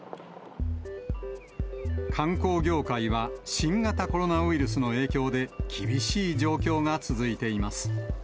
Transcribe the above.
観光業界は、新型コロナウイルスの影響で、厳しい状況が続いています。